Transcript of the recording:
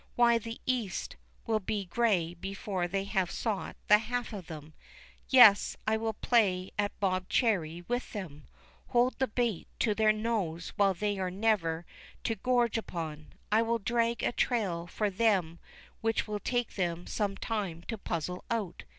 Why, the east will be grey before they have sought the half of them!—Yes, I will play at bob cherry with them, hold the bait to their nose which they are never to gorge upon! I will drag a trail for them which will take them some time to puzzle out.